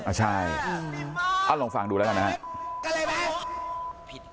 อ่ะใช่เอ้าลงฟังดูแล้วนะครับ